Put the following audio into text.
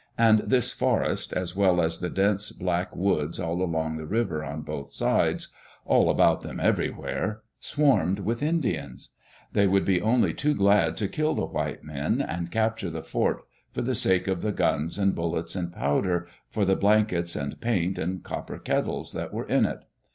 And this forest, as well as the dense Digitized by CjOOQ IC HOW THEY BUILT ASTORIA black woods all along the river, on both sides — all about them everywhere — swarmed with Indians. They would be only too glad to kill the white men and capture the fort for the sake of the guns and bullets and powder, for the blankets and paint and copper kettles, that were in it.